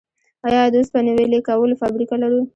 آیا د وسپنې ویلې کولو فابریکه لرو؟